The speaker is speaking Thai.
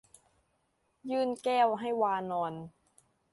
ยื่นแก้วให้วานร